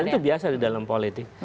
dan itu biasa di dalam politik